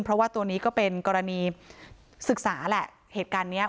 เพราะว่าตัวนี้ก็เป็นกรณีศึกษาแหละเหตุการณ์เนี้ย